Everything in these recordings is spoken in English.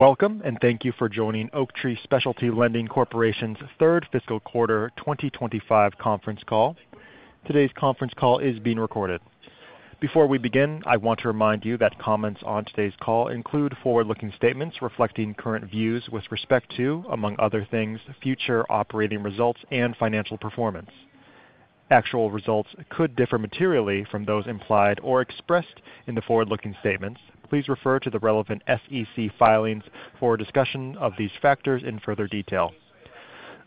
Welcome and thank you for joining Oaktree Specialty Lending Corporation's Third Fiscal Quarter 2025 Conference Call. Today's conference call is being recorded. Before we begin, I want to remind you that comments on today's call include forward-looking statements reflecting current views with respect to, among other things, future operating results and financial performance. Actual results could differ materially from those implied or expressed in the forward-looking statements. Please refer to the relevant SEC filings for a discussion of these factors in further detail.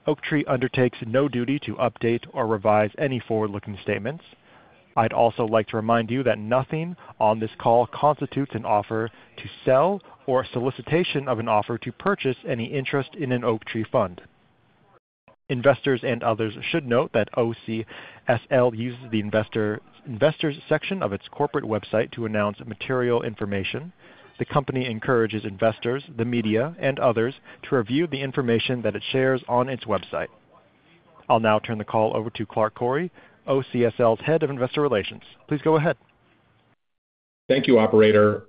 Oaktree undertakes no duty to update or revise any forward-looking statements. I'd also like to remind you that nothing on this call constitutes an offer to sell or a solicitation of an offer to purchase any interest in an Oaktree fund. Investors and others should note that OCSL uses the Investor Section of its corporate website to announce material information. The company encourages investors, the media, and others to review the information that it shares on its website. I'll now turn the call over to Clark Koury, OCSL's Head of Investor Relations. Please go ahead. Thank you, Operator.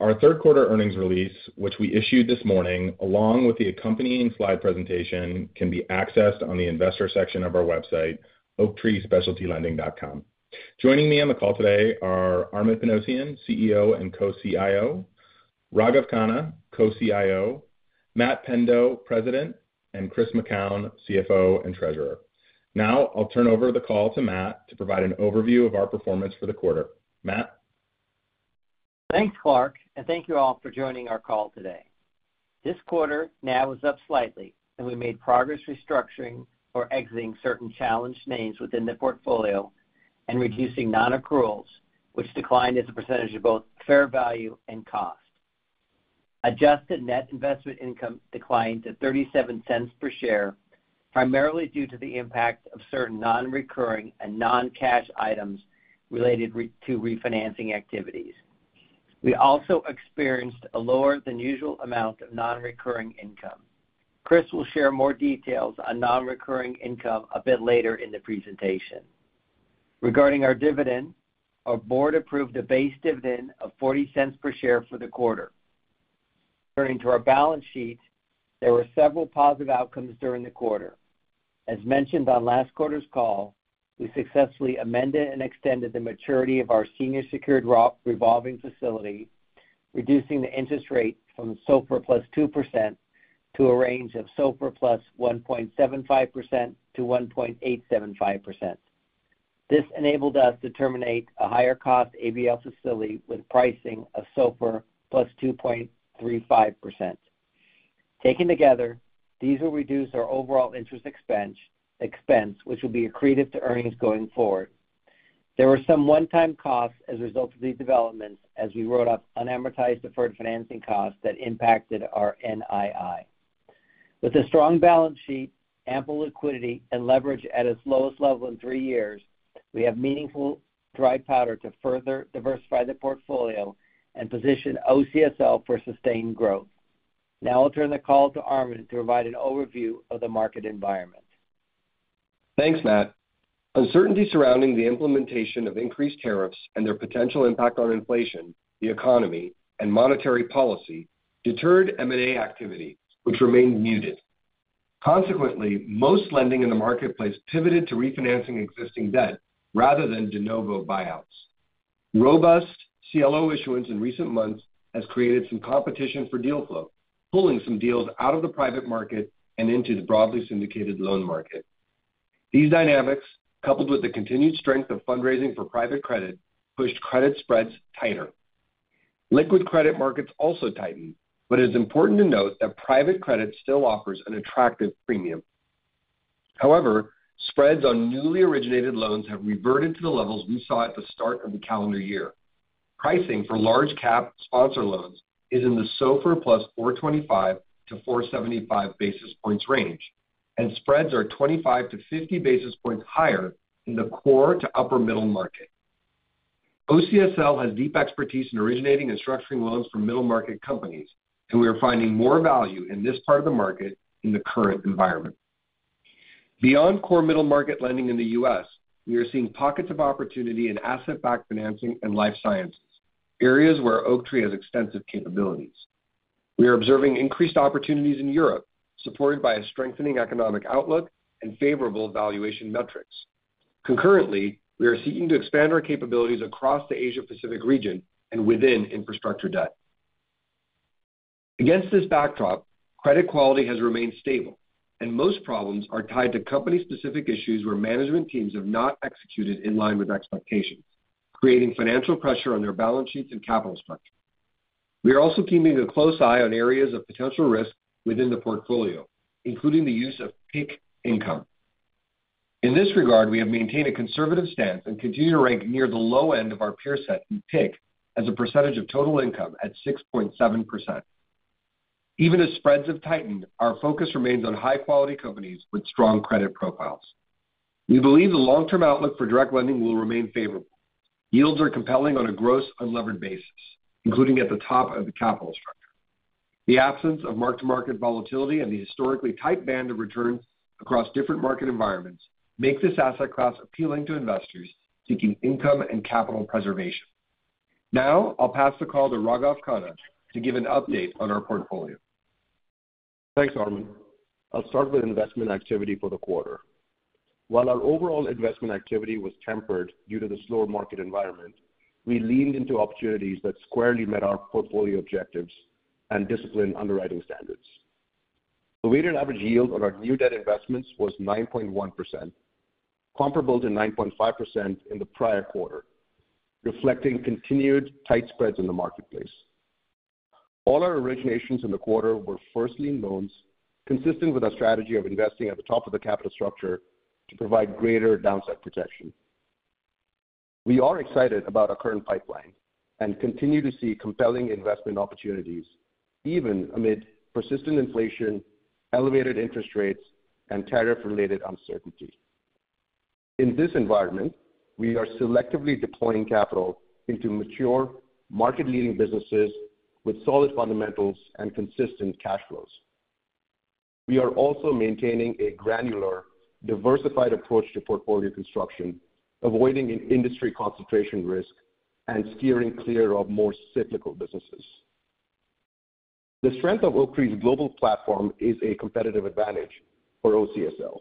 Our third quarter earnings Release, which we issued this morning along with the accompanying slide presentation, can be accessed on the Investor Section of our website, oaktreespecialtylending.com. Joining me on the call today are Armen Panossian, CEO and Co-CIO, Raghav Khanna, Co-CIO, Matt Pendo, President, and Chris McKown, CFO and Treasurer. Now I'll turn over the call to Matt to provide an overview of our performance for the quarter. Matt? Thanks, Clark, and thank you all for joining our call today. This quarter NAV is up slightly, and we made progress restructuring or exiting certain challenged names within the portfolio and reducing non-accruals, which declined as a percentage of both fair value and cost. Adjusted net investment income declined to $0.37 per share, primarily due to the impact of certain non-recurring and non-cash items related to refinancing activities. We also experienced a lower than usual amount of non-recurring income. Chris will share more details on non-recurring income a bit later in the presentation. Regarding our dividend, our Board approved a base dividend of $0.40 per share for the quarter. Turning to our balance sheet, there were several positive outcomes during the quarter. As mentioned on last quarter's call, we successfully amended and extended the maturity of our senior secured revolving facility, reducing the interest rate from SOFR plus 2% to a range of SOFR plus 1.75%-1.875%. This enabled us to terminate a higher cost ABL facility with pricing of SOFR plus 2.35%. Taken together, these will reduce our overall interest expense, which will be accreted to earnings going forward. There were some one-time costs as a result of these developments as we wrote up unamortized deferred financing costs that impacted our NII. With a strong balance sheet, ample liquidity, and leverage at its lowest level in three years, we have meaningful dry powder to further diversify the portfolio and position Oaktree Specialty Lending Corporation for sustained growth. Now I'll turn the call to Armen to provide an overview of the market environment. Thanks, Matt. Uncertainty surrounding the implementation of increased tariffs and their potential impact on inflation, the economy, and monetary policy deterred M&A activity, which remained muted. Consequently, most lending in the marketplace pivoted to refinancing existing debt rather than de novo buyouts. Robust CLO issuance in recent months has created some competition for deal flow, pulling some deals out of the private market and into the broadly syndicated loan market. These dynamics, coupled with the continued strength of fundraising for private credit, pushed credit spreads tighter. Liquid credit markets also tightened, but it is important to note that private credit still offers an attractive premium. However, spreads on newly originated loans have reverted to the levels we saw at the start of the calendar year. Pricing for large-cap sponsor loans is in the SOFR plus 425 to 475 basis points range, and spreads are 25 basis points-50 basis points higher in the core to upper middle market. Oaktree Specialty Lending Corporation has deep expertise in originating and structuring loans for middle market companies, and we are finding more value in this part of the market in the current environment. Beyond core middle market lending in the U.S., we are seeing pockets of opportunity in asset-backed finance and life sciences, areas where Oaktree has extensive capabilities. We are observing increased opportunities in Europe, supported by a strengthening economic outlook and favorable valuation metrics. Concurrently, we are seeking to expand our capabilities across the Asia-Pacific region and within infrastructure debt. Against this backdrop, credit quality has remained stable, and most problems are tied to company-specific issues where management teams have not executed in line with expectations, creating financial pressure on their balance sheets and capital structure. We are also keeping a close eye on areas of potential risk within the portfolio, including the use of PIC income. In this regard, we have maintained a conservative stance and continue to rank near the low end of our peer set in PIC as a percentage of total income at 6.7%. Even as spreads have tightened, our focus remains on high-quality companies with strong credit profiles. We believe the long-term outlook for direct lending will remain favorable. Yields are compelling on a gross unlevered basis, including at the top of the capital structure. The absence of marked market volatility and the historically tight band of returns across different market environments make this asset class appealing to investors seeking income and capital preservation. Now I'll pass the call to Raghav Khanna to give an update on our portfolio. Thanks, Armen. I'll start with investment activity for the quarter. While our overall investment activity was tempered due to the slower market environment, we leaned into opportunities that squarely met our portfolio objectives and disciplined underwriting standards. The weighted average yield on our new debt investments was 9.1%, comparable to 9.5% in the prior quarter, reflecting continued tight spreads in the marketplace. All our originations in the quarter were first lien loans, consistent with our strategy of investing at the top of the capital structure to provide greater downside protection. We are excited about our current pipeline and continue to see compelling investment opportunities, even amid persistent inflation, elevated interest rates, and tariff-related uncertainty. In this environment, we are selectively deploying capital into mature, market-leading businesses with solid fundamentals and consistent cash flows. We are also maintaining a granular, diversified approach to portfolio construction, avoiding industry concentration risk and steering clear of more cyclical businesses. The strength of Oaktree's global platform is a competitive advantage for OCSL.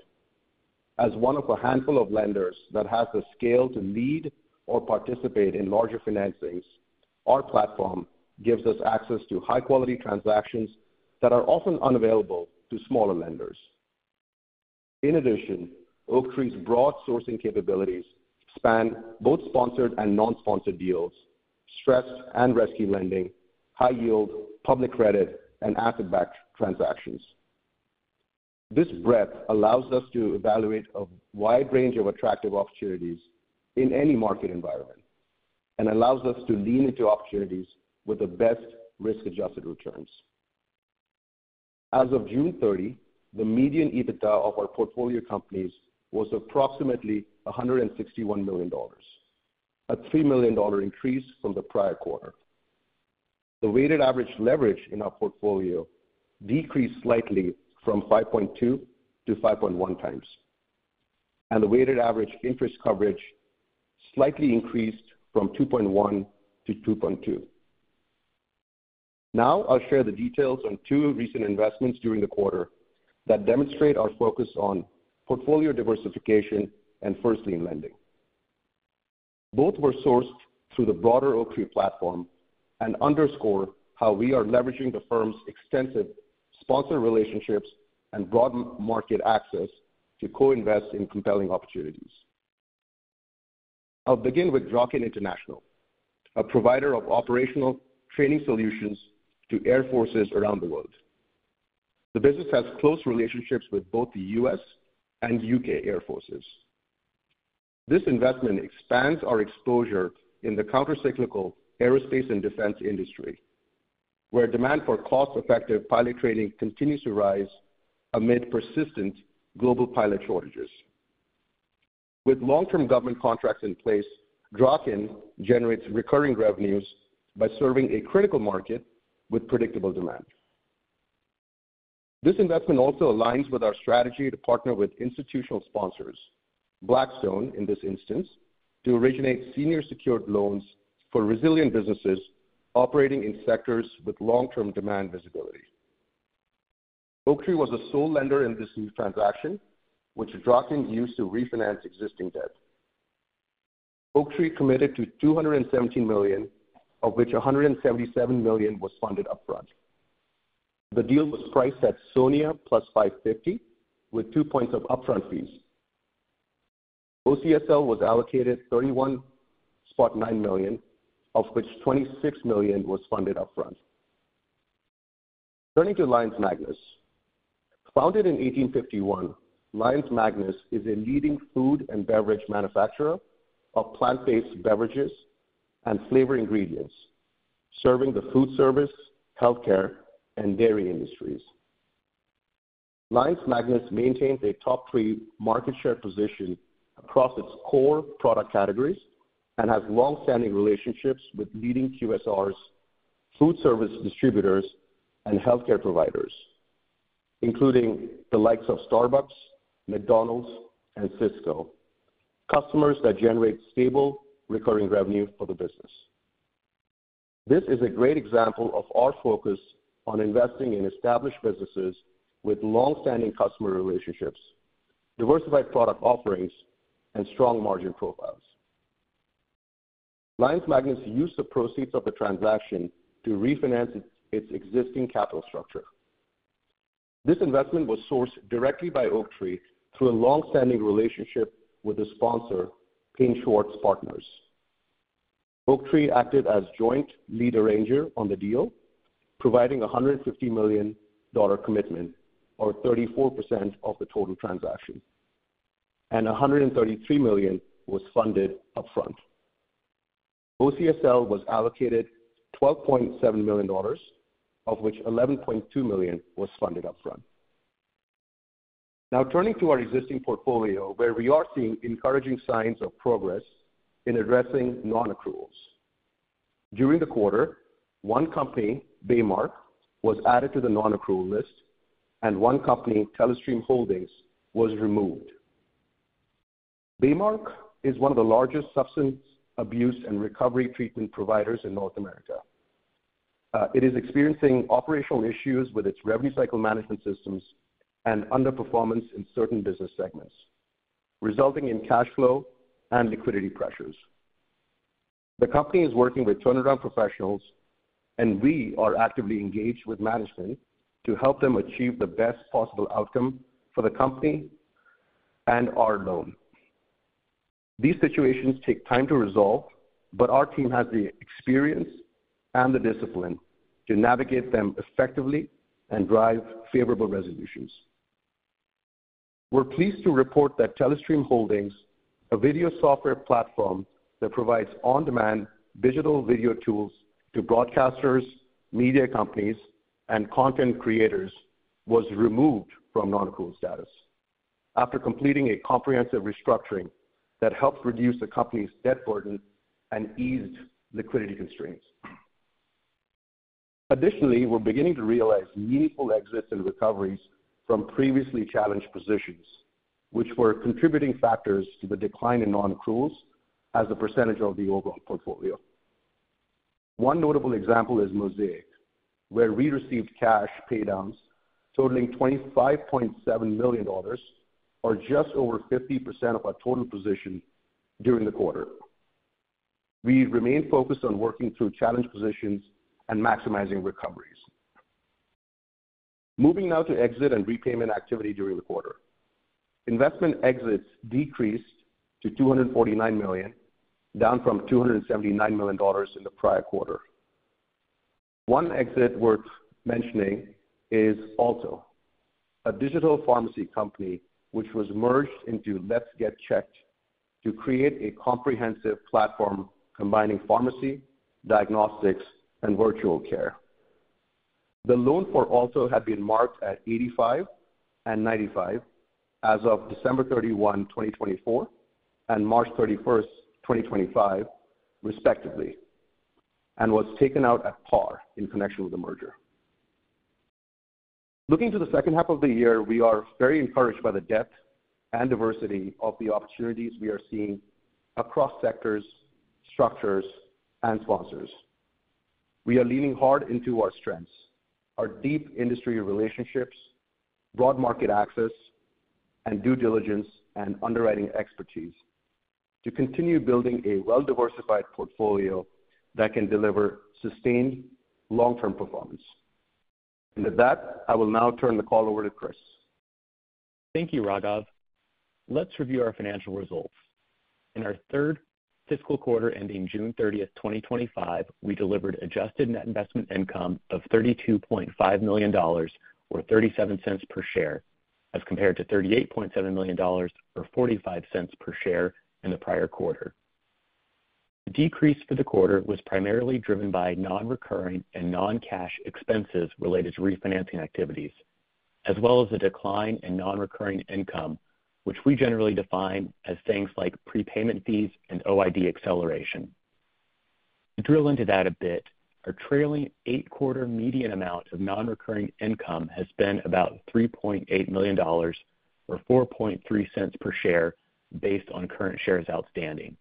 As one of a handful of lenders that has the scale to lead or participate in larger financings, our platform gives us access to high-quality transactions that are often unavailable to smaller lenders. In addition, Oaktree's broad sourcing capabilities span both sponsored and non-sponsored deals, stress and rescue lending, high-yield public credit, and asset-backed transactions. This breadth allows us to evaluate a wide range of attractive opportunities in any market environment and allows us to lean into opportunities with the best risk-adjusted returns. As of June 30, the median EBITDA of our portfolio companies was approximately $161 million, a $3 million increase from the prior quarter. The weighted average leverage in our portfolio decreased slightly from 5.2x to 5.1x, and the weighted average interest coverage slightly increased from 2.1 to 2.2. Now I'll share the details on two recent investments during the quarter that demonstrate our focus on portfolio diversification and first lien lending. Both were sourced through the broader Oaktree platform and underscore how we are leveraging the firm's extensive sponsor relationships and broad market access to co-invest in compelling opportunities. I'll begin with Draken International, a provider of operational training solutions to air forces around the world. The business has close relationships with both the U.S. and U.K. air forces. This investment expands our exposure in the countercyclical aerospace and defense industry, where demand for cost-effective pilot training continues to rise amid persistent global pilot shortages. With long-term government contracts in place, Draken generates recurring revenues by serving a critical market with predictable demand. This investment also aligns with our strategy to partner with institutional sponsors, Blackstone in this instance, to originate senior secured loans for resilient businesses operating in sectors with long-term demand visibility. Oaktree was a sole lender in this new transaction, which Draken used to refinance existing debt. Oaktree committed to $217 million, of which $177 million was funded upfront. The deal was priced at SONIA plus 550, with two points of upfront fees. OCSL was allocated $31.9 million, of which $26 million was funded upfront. Turning to Lyons Magnus. Founded in 1851, Lyons Magnus is a leading food and beverage manufacturer of plant-based beverages and flavor ingredients, serving the food service, healthcare, and dairy industries. Lyons Magnus maintains a top three market share position across its core product categories and has longstanding relationships with leading QSRs, food service distributors, and healthcare providers, including the likes of Starbucks, McDonald's, and Cisco, customers that generate stable recurring revenue for the business. This is a great example of our focus on investing in established businesses with longstanding customer relationships, diversified product offerings, and strong margin profiles. Lyons Magnus used the proceeds of the transaction to refinance its existing capital structure. This investment was sourced directly by Oaktree through a longstanding relationship with the sponsor, Paine Schwartz Partners. Oaktree acted as joint lead arranger on the deal, providing a $150 million commitment, or 34% of the total transaction, and $133 million was funded upfront. OCSL was allocated $12.7 million, of which $11.2 million was funded upfront. Now turning to our existing portfolio, where we are seeing encouraging signs of progress in addressing non-accruals. During the quarter, one company, Baymark, was added to the non-accrual list, and one company, Telestream Holdings, was removed. Baymark is one of the largest substance abuse and recovery treatment providers in North America. It is experiencing operational issues with its revenue cycle management systems and underperformance in certain business segments, resulting in cash flow and liquidity pressures. The company is working with turnaround professionals, and we are actively engaged with management to help them achieve the best possible outcome for the company and our loan. These situations take time to resolve, but our team has the experience and the discipline to navigate them effectively and drive favorable resolutions. We're pleased to report that Telestream Holdings, a video software platform that provides on-demand digital video tools to broadcasters, media companies, and content creators, was removed from non-accrual status after completing a comprehensive restructuring that helped reduce the company's debt burden and eased liquidity constraints. Additionally, we're beginning to realize meaningful exits and recoveries from previously challenged positions, which were contributing factors to the decline in non-accruals as a percentage of the overall portfolio. One notable example is Mosaic, where we received cash paydowns totaling $25.7 million, or just over 50% of our total position during the quarter. We remain focused on working through challenged positions and maximizing recoveries. Moving now to exit and repayment activity during the quarter. Investment exits decreased to $249 million, down from $279 million in the prior quarter. One exit worth mentioning is Alto, a digital pharmacy company which was merged into Let's Get Checked to create a comprehensive platform combining pharmacy, diagnostics, and virtual care. The loan for Alto had been marked at 85 and 95 as of December 31, 2024, and March 31, 2025, respectively, and was taken out at par in connection with the merger. Looking to the second half of the year, we are very encouraged by the depth and diversity of the opportunities we are seeing across sectors, structures, and sponsors. We are leaning hard into our strengths, our deep industry relationships, broad market access, and due diligence and underwriting expertise to continue building a well-diversified portfolio that can deliver sustained long-term performance. I will now turn the call over to Chris. Thank you, Raghav. Let's review our financial results. In our third fiscal quarter ending June 30, 2025, we delivered adjusted net investment income of $32.5 million, or $0.37 per share, as compared to $38.7 million, or $0.45 per share in the prior quarter. The decrease for the quarter was primarily driven by non-recurring and non-cash expenses related to refinancing activities, as well as a decline in non-recurring income, which we generally define as things like prepayment fees and OID acceleration. To drill into that a bit, our trailing eight-quarter median amount of non-recurring income has been about $3.8 million, or $0.043 per share, based on current shares outstanding.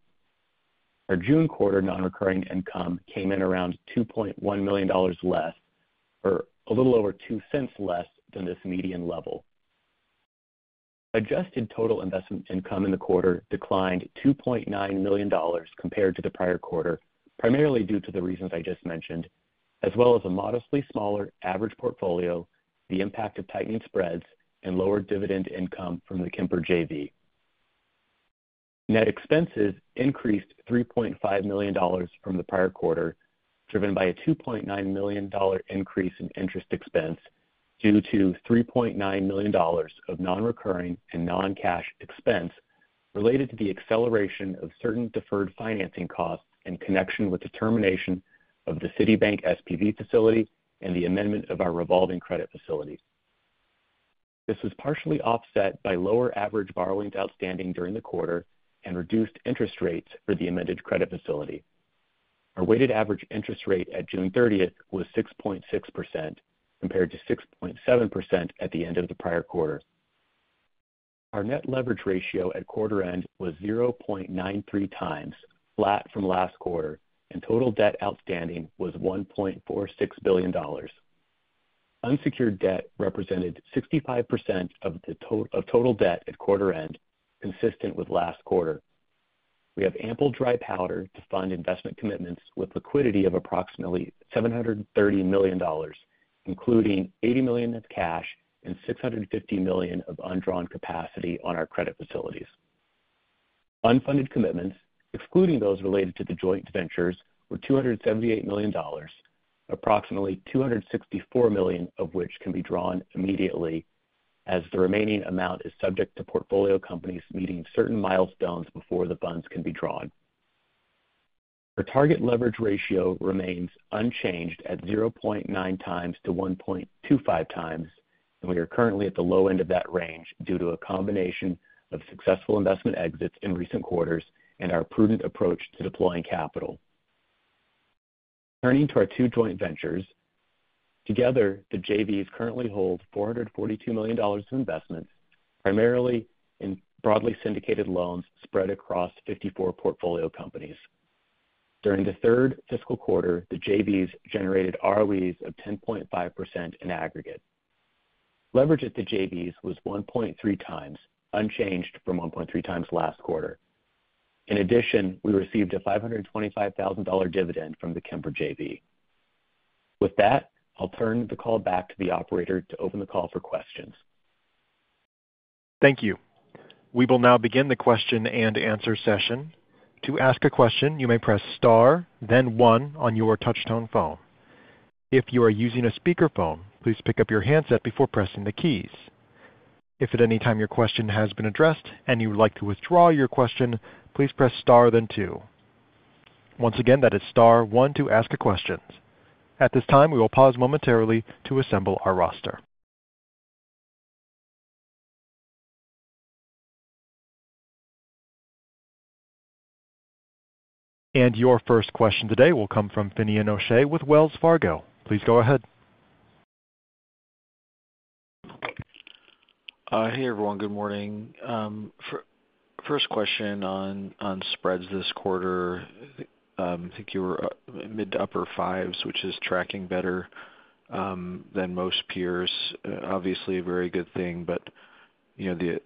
Our June quarter non-recurring income came in around $2.1 million less, or a little over $0.02 less than this median level. Adjusted total investment income in the quarter declined $2.9 million compared to the prior quarter, primarily due to the reasons I just mentioned, as well as a modestly smaller average portfolio, the impact of tightened spreads, and lower dividend income from the Kemper JV. Net expenses increased $3.5 million from the prior quarter, driven by a $2.9 million increase in interest expense due to $3.9 million of non-recurring and non-cash expense related to the acceleration of certain deferred financing costs in connection with the termination of the Citibank SPV facility and the amendment of our revolving credit facility. This was partially offset by lower average borrowings outstanding during the quarter and reduced interest rates for the amended credit facility. Our weighted average interest rate at June 30 was 6.6% compared to 6.7% at the end of the prior quarter. Our net leverage ratio at quarter end was 0.93x, flat from last quarter, and total debt outstanding was $1.46 billion. Unsecured debt represented 65% of total debt at quarter end, consistent with last quarter. We have ample dry powder to fund investment commitments with liquidity of approximately $730 million, including $80 million of cash and $650 million of undrawn capacity on our credit facilities. Unfunded commitments, excluding those related to the joint ventures, were $278 million, approximately $264 million of which can be drawn immediately, as the remaining amount is subject to portfolio companies meeting certain milestones before the funds can be drawn. Our target leverage ratio remains unchanged at 0.9x-1.25x, and we are currently at the low end of that range due to a combination of successful investment exits in recent quarters and our prudent approach to deploying capital. Turning to our two joint ventures, together the JVs currently hold $442 million of investment, primarily in broadly syndicated loans spread across 54 portfolio companies. During the third fiscal quarter, the JVs generated ROEs of 10.5% in aggregate. Leverage at the JVs was 1.3x, unchanged from 1.3x last quarter. In addition, we received a $525,000 dividend from the Kemper JV. With that, I'll turn the call back to the operator to open the call for questions. Thank you. We will now begin the question-and-answer session. To ask a question, you may press star, then one on your touch-tone phone. If you are using a speaker phone, please pick up your handset before pressing the keys. If at any time your question has been addressed and you would like to withdraw your question, please press star, then two. Once again, that is star one to ask a question. At this time, we will pause momentarily to assemble our roster. Your first question today will come from Finian O'Shea with Wells Fargo. Please go ahead. Hey, everyone. Good morning. First question on spreads this quarter. I think you were mid to upper fives, which is tracking better than most peers. Obviously, a very good thing. The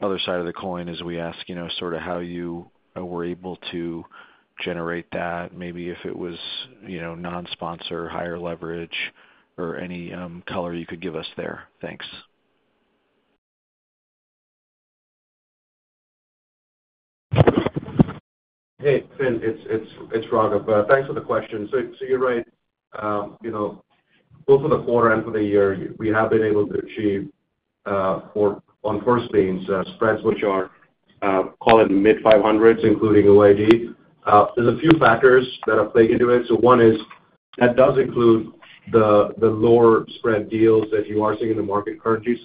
other side of the coin is we ask how you were able to generate that, maybe if it was non-sponsor, higher leverage, or any color you could give us there. Thanks. Hey, Finian. It's Raghav. Thanks for the question. You're right. For the quarter and for the year, we have been able to achieve or enforce the spreads, which are, call it, mid 500s, including OID. There are a few factors that are playing into it. One is that does include the lower spread deals that you are seeing in the market currently.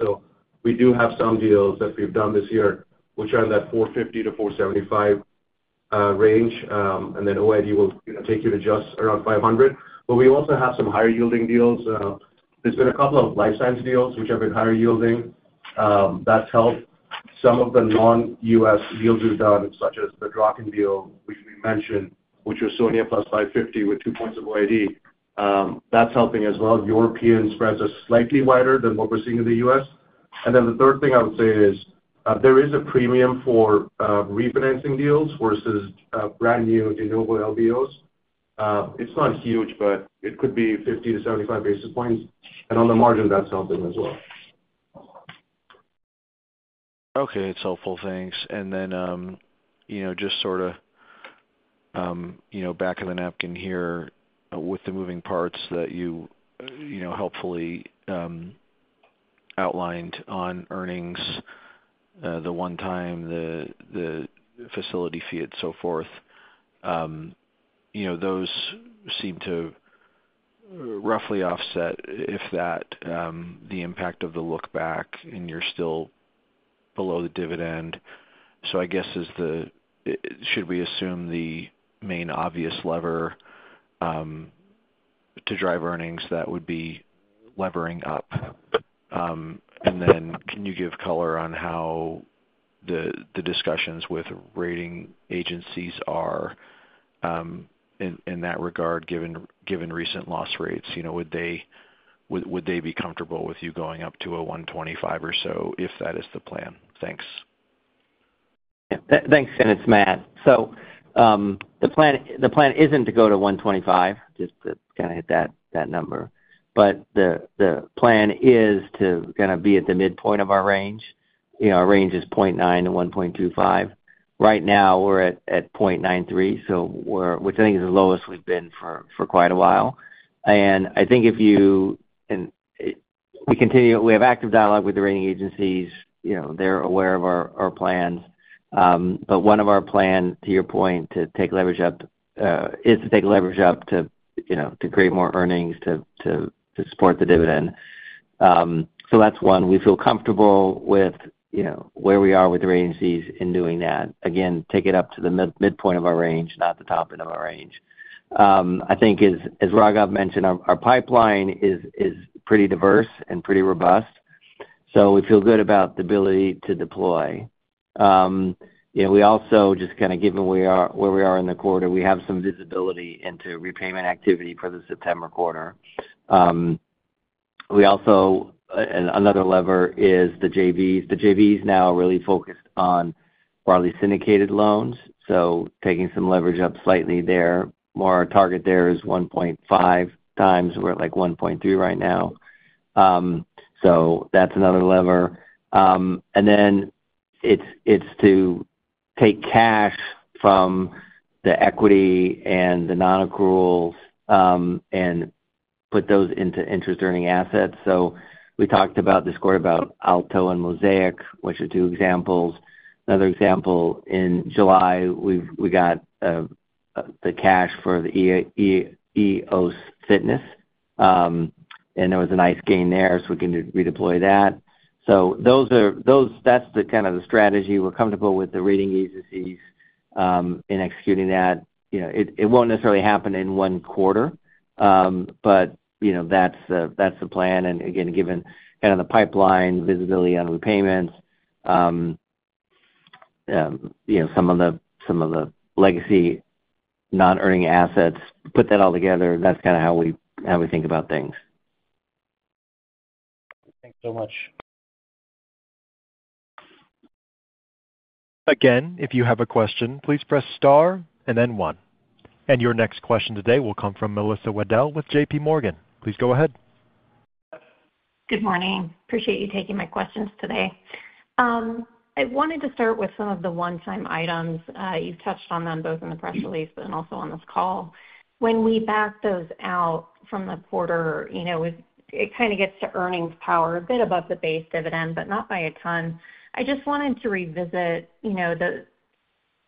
We do have some deals that we've done this year, which are in that $450-$475 range, and then OID will take you to just around $500. We also have some higher yielding deals. There have been a couple of life sciences deals, which have been higher yielding. That's helped. Some of the non-U.S. deals we've done, such as the Draken deal, which I mentioned, which was SONIA plus $550 with two points of OID, that's helping as well. European spreads are slightly wider than what we're seeing in the U.S. The third thing I would say is there is a premium for refinancing deals versus brand new renewable LBOs. It's not huge, but it could be 50 basis points-75 basis points. On the margin, that's helping as well. OK, it's helpful. Thanks. You know just sort of back of the napkin here with the moving parts that you helpfully outlined on earnings, the one-time, the facility fee, and so forth. You know those seem to roughly offset, if that, the impact of the look back, and you're still below the dividend. I guess should we assume the main obvious lever to drive earnings would be levering up? Can you give color on how the discussions with rating agencies are in that regard, given recent loss rates? Would they be comfortable with you going up to $1.25 or so, if that is the plan? Thanks. Thanks, Finian. It's Matt. The plan isn't to go to $1.25 just to kind of hit that number. The plan is to kind of be at the midpoint of our range. You know our range is $0.90-$1.25. Right now, we're at $0.93, which I think is the lowest we've been for quite a while. I think if you and we continue, we have active dialogue with the rating agencies. You know they're aware of our plans. One of our plans, to your point, to take leverage up is to take leverage up to create more earnings to support the dividend. That's one. We feel comfortable with where we are with the rating agencies in doing that. Again, take it up to the midpoint of our range, not the top end of our range. I think, as Raghav mentioned, our pipeline is pretty diverse and pretty robust. We feel good about the ability to deploy. Also, just kind of given where we are in the quarter, we have some visibility into repayment activity for the September quarter. Another lever is the JVs. The JVs now are really focused on broadly syndicated loans, so taking some leverage up slightly there. Our target there is 1.5x. We're at like 1.3x right now. That's another lever. Then it's to take cash from the equity and the non-accruals and put those into interest-earning assets. We talked about this quarter about Alto and Mosaic, which are two examples. Another example, in July, we got the cash for the EOS Fitness, and there was a nice gain there, so we can redeploy that. That's kind of the strategy. We're comfortable with the rating agencies in executing that. It won't necessarily happen in one quarter, but that's the plan. Again, given kind of the pipeline visibility on repayments, some of the legacy non-earning assets, put that all together. That's kind of how we think about things. Thanks so much. Again, if you have a question, please press star and then one. Your next question today will come from Melissa Wedel with JPMorgan. Please go ahead. Good morning. Appreciate you taking my questions today. I wanted to start with some of the one-time items. You've touched on them both in the press release, but also on this call. When we back those out from the quarter, it kind of gets to earnings power a bit above the base dividend, but not by a ton. I just wanted to revisit the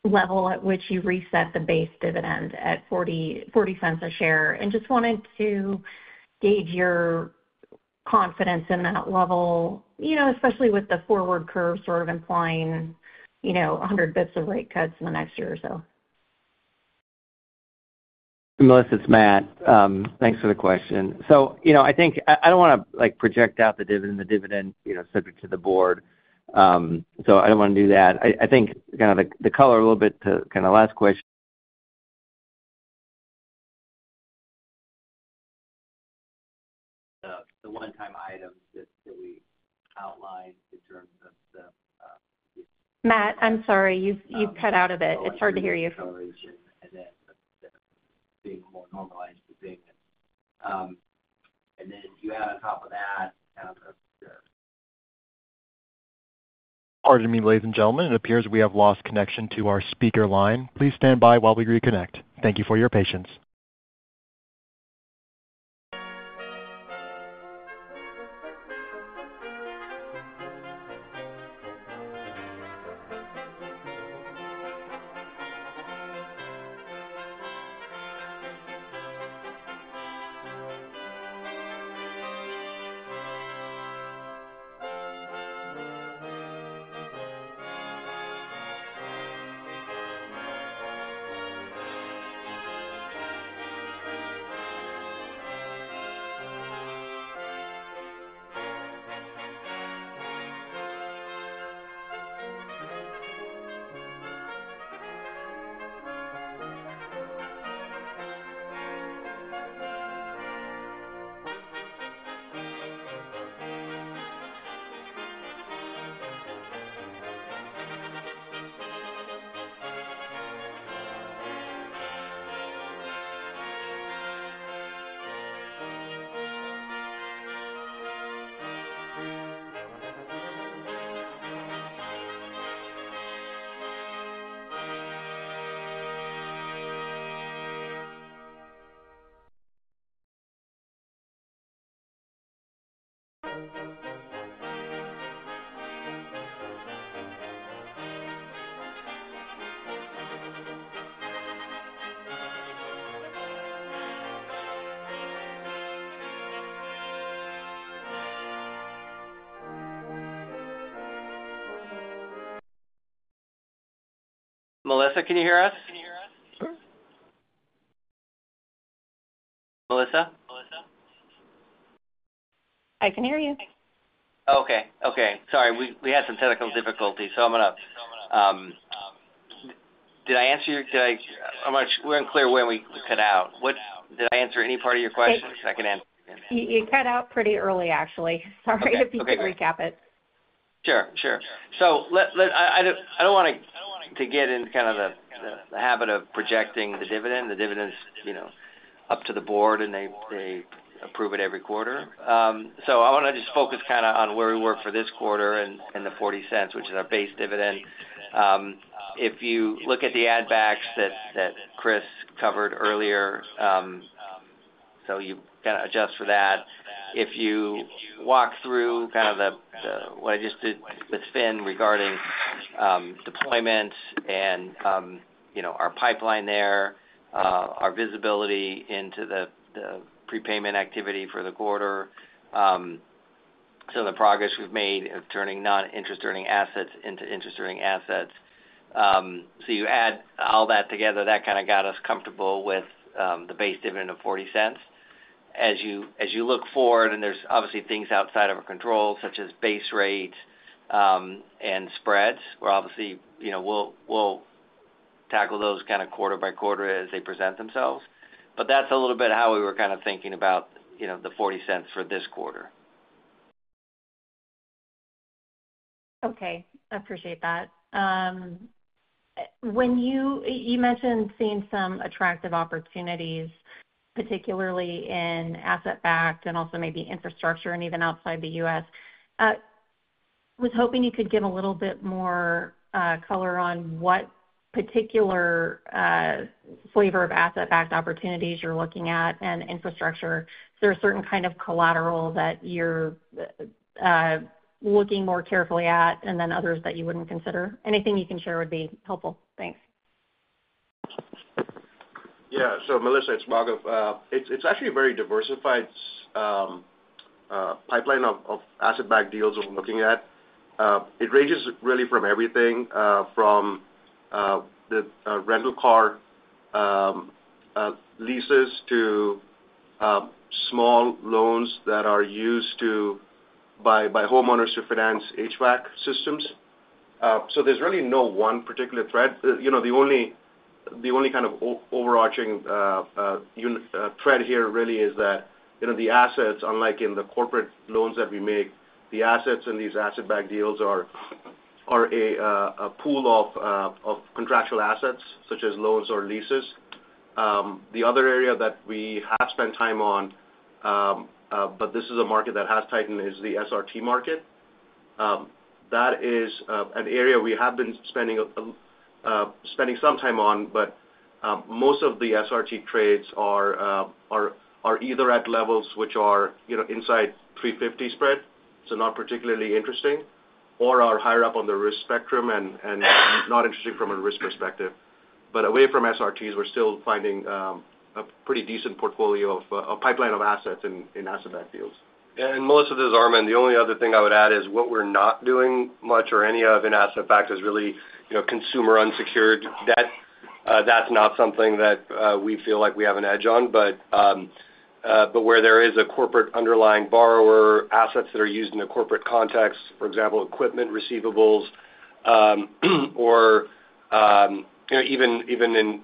level at which you reset the base dividend at $0.40 a share and just wanted to gauge your confidence in that level, especially with the forward curve sort of implying 100 bps of rate cuts in the next year or so. Melissa, it's Matt. Thanks for the question. I think I don't want to project out the dividend. The dividend is subject to the Board. I don't want to do that. I think kind of the color a little bit to the last question. The one-time item that we outlined in terms of the. Matt, I'm sorry. You cut out a bit. It's hard to hear you. Being more normalized to date, if you add on top of that. Ladies and gentlemen, it appears we have lost connection to our speaker line. Please stand by while we reconnect. Thank you for your patience. Melissa, can you hear us? Melissa? I can hear you. OK. Sorry, we had some technical difficulties. Did I answer your question? We're unclear when we cut out. Did I answer any part of your question? You cut out pretty early, actually. Sorry if you could recap it. Sure. I don't want to get into kind of the habit of projecting the dividend. The dividend is up to the Board, and they approve it every quarter. I want to just focus kind of on where we were for this quarter and the $0.40, which is our base dividend. If you look at the add backs that Chris covered earlier, so you kind of adjust for that. If you walk through kind of what I just did with Finian regarding deployments and our pipeline there, our visibility into the prepayment activity for the quarter, some of the progress we've made of turning non-interest-earning assets into interest-earning assets. You add all that together. That kind of got us comfortable with the base dividend of $0.40. As you look forward, and there's obviously things outside of our control, such as base rates and spreads, we'll tackle those kind of quarter by quarter as they present themselves. That's a little bit how we were kind of thinking about the $0.40 for this quarter. OK, I appreciate that. You mentioned seeing some attractive opportunities, particularly in asset-backed and also maybe infrastructure and even outside the U.S. I was hoping you could give a little bit more color on what particular flavor of asset-backed opportunities you're looking at and infrastructure. Is there a certain kind of collateral that you're looking more carefully at and then others that you wouldn't consider? Anything you can share would be helpful. Thanks. Yeah. Melissa, it's actually a very diversified pipeline of asset-backed deals we're looking at. It ranges really from everything, from the rental car leases to small loans that are used by homeowners to finance HVAC systems. There's really no one particular thread. The only kind of overarching thread here really is that the assets, unlike in the corporate loans that we make, the assets in these asset-backed deals are a pool of contractual assets, such as loans or leases. The other area that we have spent time on, but this is a market that has tightened, is the SRT market. That is an area we have been spending some time on, although most of the SRT trades are either at levels which are inside $350 spread, so not particularly interesting, or are higher up on the risk spectrum and not interesting from a risk perspective. Away from SRTs, we're still finding a pretty decent portfolio, a pipeline of assets in asset-backed deals. Melissa, this is Armen. The only other thing I would add is what we're not doing much or any of in asset-backed is really consumer unsecured debt. That's not something that we feel like we have an edge on. Where there is a corporate underlying borrower, assets that are used in a corporate context, for example, equipment receivables, or even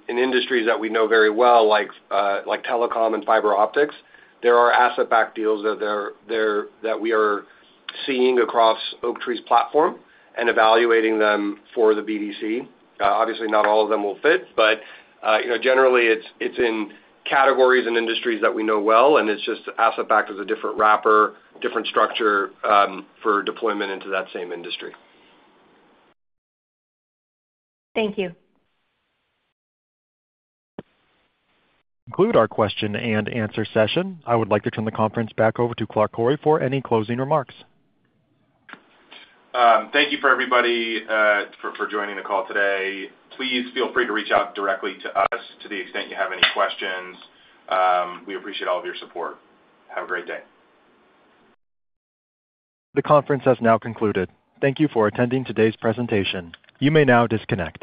in industries that we know very well, like telecom and fiber optics, there are asset-backed deals that we are seeing across Oaktree's platform and evaluating them for the BDC. Obviously, not all of them will fit, but generally, it's in categories and industries that we know well. It's just asset-backed is a different wrapper, different structure for deployment into that same industry. Thank you. Conclude our question-and-answer session. I would like to turn the conference back over to Clark Koury for any closing remarks. Thank you everybody for joining the call today. Please feel free to reach out directly to us to the extent you have any questions. We appreciate all of your support. Have a great day. The conference has now concluded. Thank you for attending today's presentation. You may now disconnect.